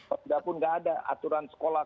apapun nggak ada aturan sekolah